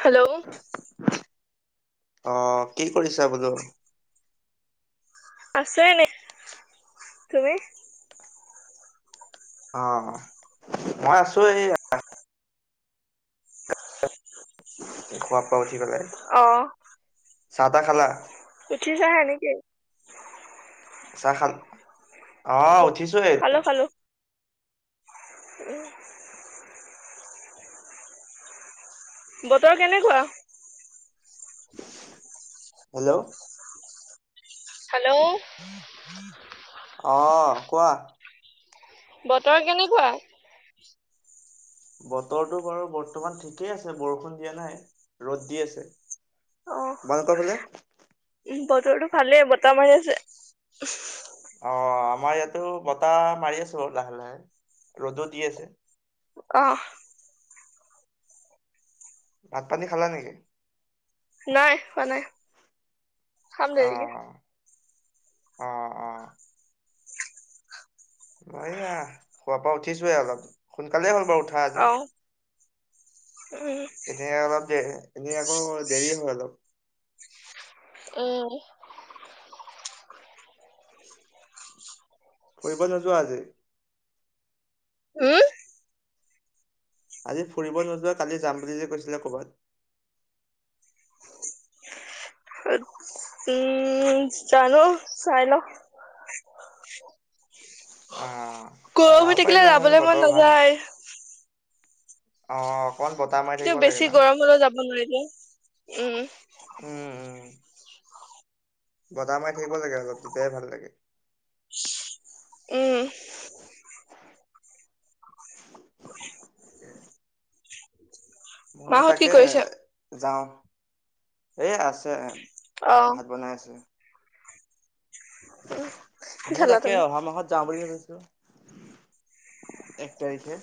Hello. অ', কি কৰিছা বোলো। আছো এনে, তুমি? অ', মই আছো, এইয়া। [inaudible] খোৱা পোৱা উঠি পেলাই, অ চাহ তাহ খালা? উঠিছাহে নেকি? চাহ খান অ', উঠিছোৱে খালো এতিয়া। খালো উম। বতৰ কেনেকুৱা? হেল্ল'। হেল্ল' অ', কোৱা। বতৰ কেনেকুৱা? বতৰটো বাৰু বৰ্তমান ঠিকেই আছে বৰষুণ দিয়া নাই ৰ'দ দি আছে। অ তোমাৰ লোকৰ ফালে। উম, বতৰটো ভালেই বতাহ মাৰি আছে। অ', আমাৰ ইয়াতো বতাহ মাৰি আছো লাহে লাহে ৰ'দো দি আছে। অ'। ভাত পানী খালা নেকি? নাই, হোৱা নাই খাম দেৰিকে। অ', অ', অ'। ময়া খোৱাৰ পৰা উঠিছোৱে অলপ সোনকালেই হ'ল বাৰু উঠা আজি। অ উম এনে অলপ দে এনেই আকৌ দেৰি হয় অলপ। উম। [inaudible] ফুৰিব নোযোৱা আজি? উম। আজি ফুৰিব নোযোৱা কালি যাম বুলিযে কৈছিলে ক'বাত। উম, জানো চাই ল। অ', যাব থাকিলে পাৰিলা হয় যাবলৈ মন বতৰ ভাল। নাযায় অ'। অকমান বতাহ মাৰি কিন্তু থাকিব লাগে বেছি ন। গৰম হ'লেও যাব নোৱাৰিলো উম। উম, উম। গদা মাৰ থাকিব লাগে অলপ তেতিয়াই ভাল লাগে। উম। [unintelligible] মইয়ো মাহত কি তাকে কৰিছে যাওঁ, এ আছে। অ ভাত বনাই আছে। উম কি মই খালা তাকে তুমি অহা মাহত যাওঁ বুলি এক তাৰিখে।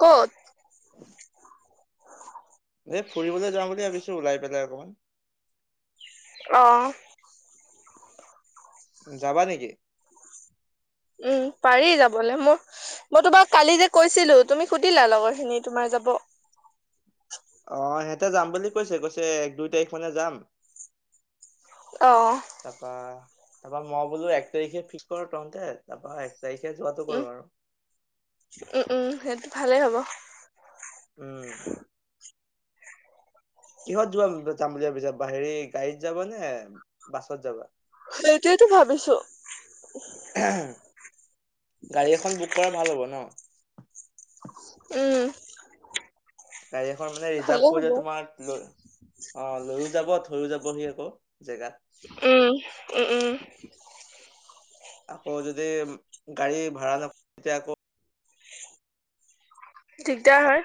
ক'ত? [inaudible] হে ফুৰিবলৈ যাওঁ বুলি ভাবিছো ওলাই পেলাই অকমান। অ'। যাবা নেকি? উম, পাৰি যাবলৈ মোৰ মই তোমাক কালি যে কৈছিলো তুমি সুধিলা লগৰ খিনি তোমাৰ যাব। অ', সিহঁতে যাম বুলি কৈছে কৈছে এক দুই তাৰিখ মানে যাম। অ তাপা তাপা ম বলো এক তাৰিখে ফিক্স কৰ টনতে তাপা উম উম উম সেইটো ভালেই হ'ব উম কিহত যোৱা যাম বুলিাব বিিছ হেৰি গাড়ীত যাব নে বাছত যাবা সেইটোৱেইতো ভাবিছো গাড়ী এখন বুক কৰা ভাল হ'ব ন উম গাড়ী এখন মানে ৰিজাৰ্ভ ভালে কৰিলে হ'ব তোমাৰ লৈ অ লৈও যাব থৈও যাবহি আকৌ জেগাত উম উম উম আকৌ যদি গাড়ী ভা়া নকৰে তেতিয়া আকৌ দিগদাৰ হয়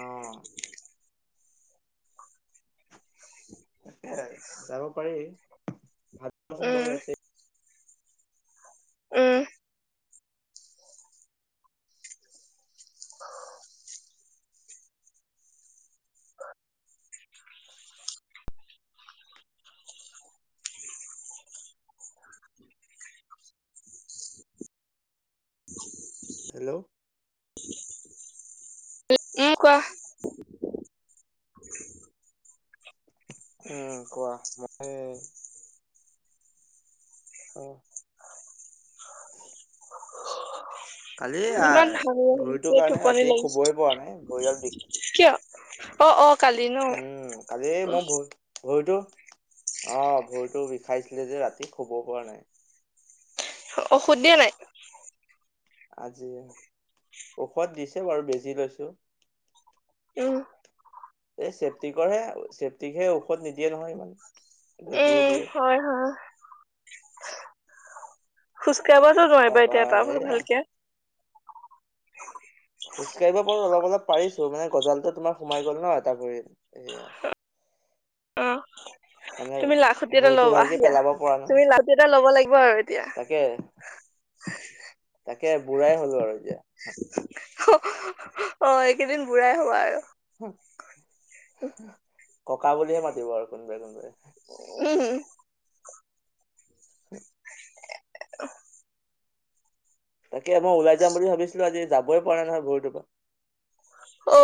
আহ যাব পাৰি ভালোৱাচোন উম বাৰু উম হেল্ল' উম কোৱা উম কোৱা মই অ কালি আহ ইমান ভাল ভৰিটোৰ আহিছে কাৰণে টোপনি ৰাতি লাগিছে শুবই পৰা নাই ভৰিডাল বিষ কিয় অ অ কালি ন উম কালি মই ভৰি ভৰিতো অ ভৰিতটো বিষাইছিলে যে ৰাতি শব পৰা নাই ঔষধ দিয়া নাই আজি ঔষধ দিছে বাৰু বেজি লৈছো এইম এই চেফটিকৰ হে চেফটিকহে ঔষধ নিদিয়ে নহয় ইমান এ বেজিহে দিয়ে হয় হয় কেতিয়াবাাতো নোৱাৰিবা তাৰপা এতিয়াাৰ এয়া ভালকে খোজকাঢ়িব পাৰো অলপ অলপ পাৰিছো মানে গজালটো তোমাৰ সোমাই গল ন এটা পৰি সয়া অ তুমি লাখুট এটা ভৰিটো ল'বাা ভালকে পেলাব পৰা নাই তুমি লাখট এটা ল'ব লাগিব আৰু এতিয়া তাকে তাকে বুঢ়াই হলো আৰু এ যে অ এইকেইদিন বুঢ়াই হোৱা আৰু ককা বুলিয়ে মাতিব আৰু কোনবাই কোনবাই উম উ তাকে মই ওলাই যাম বুলি ভাবিছিলো আজি যাবই পৰা নহয় ভৰিটোৰ পৰা অ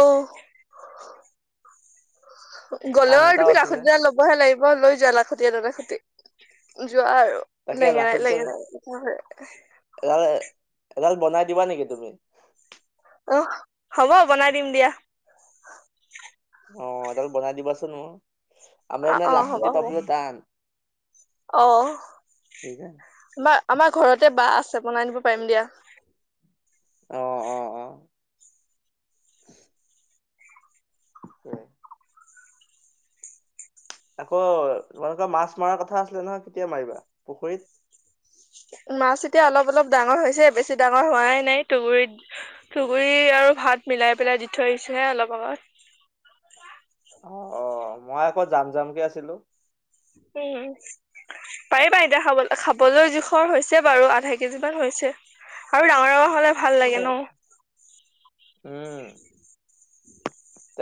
কাম গ'লেও আৰু এটাও তুমি আছিলে লাখতিডাল ল'বহে লাগিব লৈ যোৱা লাখতি এড লাখুতি যোৱা আৰু তাকে লেঙেৰাাই লাখুটিডাল লেঙেৰাাই কি হয় এডাল এডাল বনাই দিবা নেকি তুমি আহ হ'ব বনাই দিম দিয়া অ এড বনাই দিবাচোন অ আমি অ অ হ'ব লাখতি হ'ব পাবো টান অ সেইকাৰণে বা আমাৰ ঘৰতে বা আছে বনাই দিব পাৰিম দিয়া আহ অ অ হয় আকৌ তোমালোকৰ মাছ মৰাৰ কথা আছিলে নহয় কেতিয়া মাৰিবা পুখুৰীত মাছ এতিয়া অলপ অলপ ডাঙৰ হৈছে বেছি ডাঙৰ হোৱাই নাই তুগুৰিত ুগুৰি আৰু ভাত মিলাই পেলাই দি থৈ আহিছে হে অলপ অগত অ অ মই আকৌ যাম যাম কেে আছিলো উম হ পাৰিবা এতিয়া খাবলৈ খাবলৈ জোখৰ হৈছে বাৰু আধা কেজি মান হৈছে আৰু ডাঙৰ ডাঙৰ হলে ভাল লাগে এ ন উম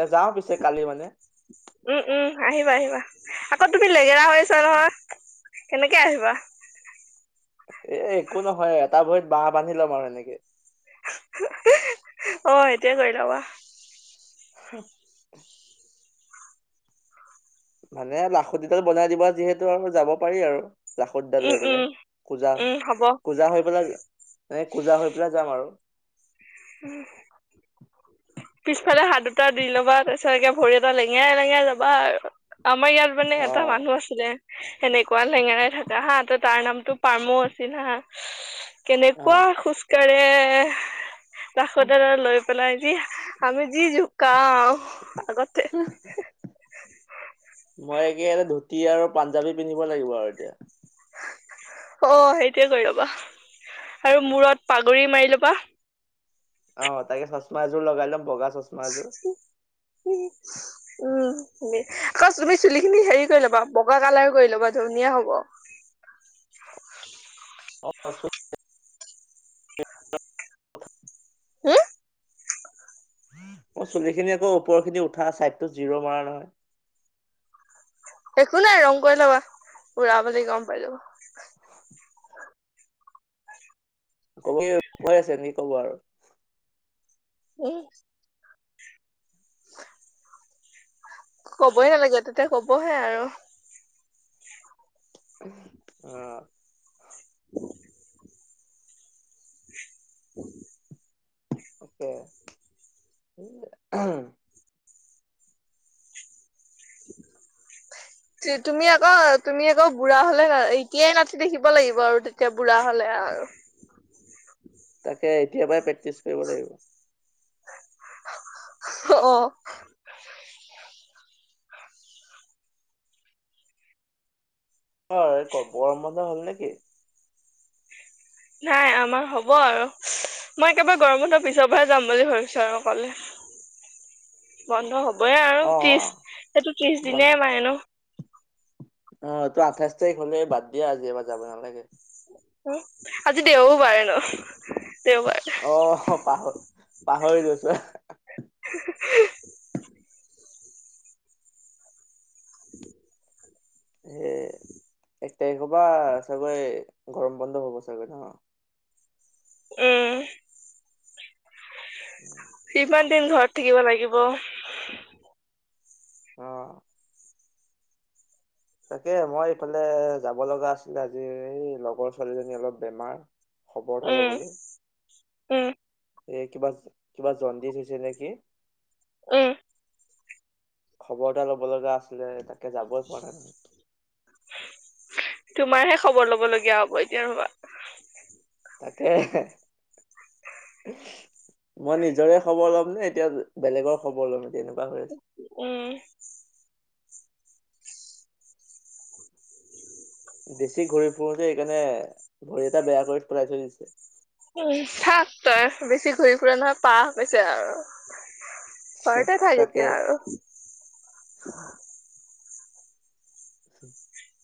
এ যাও পিছে কালি মানে উম উম আহিবা আহিবা আকৌ তুমি লেগেৰা হৈছ নহয় কেনেকে আহিবা এ একো নহয় এটা ভৰিত বাঁাহ বান্ধি লম আৰু এনেকে অ সেইটয়ে কৰি লব হ মানে লাখুটডাল বনাই দিবা যিহেতু আৰু যাব পাৰি আৰু লাখতডাল উম হৈ উম মানে পূজা উম হ'ব পূজা হৈ পেলাই এনে পূজা হৈ পেলাই যাম আৰু উম পিছফালে হাত দুটা দি লবা তাৰপিছতকে ভৰি এটা লেঙেৰা লেঙে লবা আৰু আমাৰ ইয়াত মানে অ এটা মানুহ আছিলে সেনেকুৱা লেঙেৰা থকা হা ত তাৰ নাম টো প্মো আছিল না অ কেনেকুৱা খোজ কঢ়ে ৰাসতে লৈ পেলাই যি আমি যি জুোকাও মই তে এটা ধুতি আৰু পাঞ্জাবী পিন্ধিব লাগিব আৰু এতিয়া অ সেইটোোৱে কৰি ৰ'বা আৰু মূৰত পাগৰি মাৰি ল'বা অ তাকে চচমা এযোৰ লগাই ল'ম বগা চচমা এযোৰ উম আকৌ তুমি চুলিখিনি হেৰি কৰি ল'বা বগা কালাৰ কৰি ল'বা ধ ধুনীয়া হ'ব অ হম মই চুলি খিনি আকৌ ওপৰ খিনি উঠা চাইডটোো জিৰো মাৰা নহয় একো নাই ৰং কৰি লবা উুৰা বুলি গম পাইো কব কি কৈ আছে নেকি ক'ব আৰু উম কবইে নালাগে তেতিয়া কবহে আৰু অ উ অকে [inaudible] তুমি আকৌ তুমি আকৌ বুঢ়া হলো এতিয়াই নাতি দেখিব লাগিব আৰু তেতিয়া বুঢ়া হলে আৰু তাকে এতিয়াৰ পৰাই প্ৰেক্টিচ কৰিব লাগিব অ হয় ক বৰম বন্ধ হ'ল ন নাই আমাৰ হ'ব আৰু মই একেবাৰে গৰম হতৰ পিছৰ পৰা যাম বুলি ভাবিছো আৰু অকলে বন্ধ হ'ব হবইে আৰু অ ত্ৰিশ সেইটো ত্ৰিশ দিন বন মায় ন অ তো আঠাইছ তাৰিখ হলে বাদ দিয়া আজি এবাৰ যাব নালাগে আজি দেওও পাৰে ন দেওবাৰ আহ পাহ পাহৰি যৈছো সে এক তাৰিখৰ পৰা চাগৈ গৰম বন্ধ হ'ব চাগৈ ন উম সিমান দিন ঘৰত থাকিব লাগিব আহ তাকে মই এইফালে যাব লগা আছিলে আজি এই লগৰ ছোৱালীজনী অলপ বেমাৰ খবৰ এটা উম, ল'বলৈ উম, এই কিবা কিবা জ দি থৈছে নেকি আহ খবৰ এটা ল'ব লগা আছিলে তাকে যাবই পৰা নাই তোমাৰহে খবৰ লব লগগীয়া হ'ব এতিয়া ৰবা তাকে মই নিজৰে খবৰ ল'ম নে এতিয়া বেলেগৰ খবৰ লম এ তেনেকুৱা উম বেছি ঘড়ী ফুৰো যে এইকাৰণে ঘড়ী এটা বেয়া কৰি পেলই থৈ দিছে উ চাক তই বেছি ঘূৰি ফুৰা নহয় পাহ বেছে আৰু ঘৰতে থাই তাকে যেতিয়া আৰু আ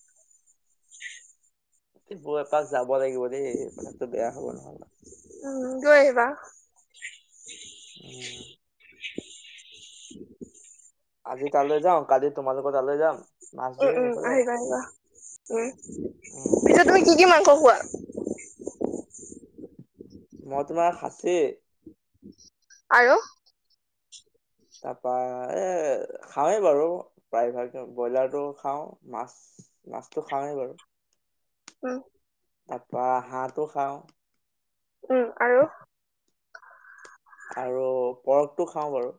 বৈ এপাক যাব লাগিব দেই কথাতটোো বেয়া হব নহবা উম গৈ আহিবা উম [unintelligible] আজি তালৈ যাওঁ কালি তোমালোক তালৈ যাম মাছ উম ধৰিম উম এইফালে আহিবা আহিবা উম উম। পিছে তুমি কি কি মাংস কোৱা মই তোমাৰ খাচী আৰু তাৰপা এ খাৱে বাৰু প্ৰায়ভাগ ব্ৰইলাৰটো খাওঁ মাছ নাচটো খাওঁেই বাৰু অ তাৰপৰা হাঁহটো খাওঁ উম আৰু আৰু পৰকটো খাওঁ বাৰু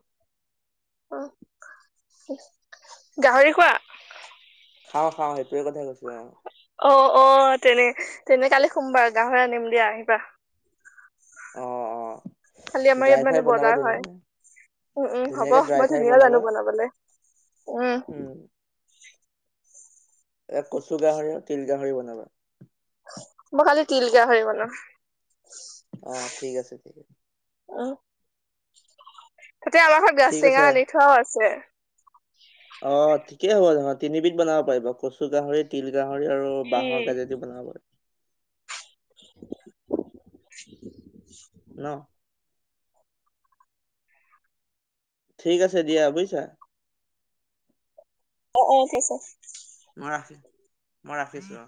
উ গাহৰি খোৱা খাওঁ খাওঁ সেইটোে কথাই কৈছো আৰু অ অ তেনে তেনে কালি সোমবাৰ গাাহৰি আনিম দিয়া আহিবা অ অ কালি আমাৰ ইয়াত ড্ৰাই মানে ফ্ৰাই বনাবা বজাৰ ধনে হয়। উম, উম, হ'ব ধুনীয়াকে মই ড্ৰাই ফ্ৰাই ধুনীয়া জানো বনাবা বনাবলে উম এ কচু গাহৰি আৰু তিল গাহৰি বনাবা ব খালি তিিলকিয়া হৈ গ ন অ ঠিক আছে ঠিক আ আহ তায়া আমাৰ ঘৰত ঠিক গাাজ েঙা আছে আনি থোৱাও আছে অ ঠিকে হ'ব ধৰা তিনিবিধ বনাব পাৰিব কচু গাহৰি তিল গাহৰি আৰু উম। বাঁাহৰ কাজিদি বনাব [unintelligible] ন ঠিক আছে দিয়া বুজিছা অ অকে ছাৰ মই ৰাখিছ মই ৰাখিছো